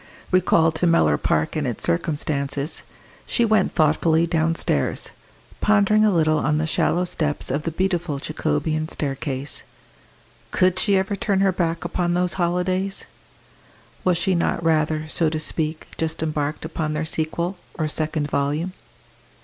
Recalled to Mellor Park and its circumstances, she went thoughtfully downstairs, pondering a little on the shallow steps of the beautiful Jacobean staircase. Could she ever turn her back upon those holidays? Was she not rather, so to speak, just embarked upon their sequel, or second volume?